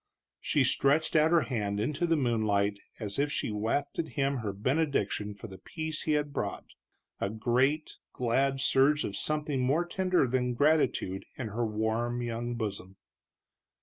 She stretched out her hand into the moonlight as if she wafted him her benediction for the peace he had brought, a great, glad surge of something more tender than gratitude in her warm young bosom.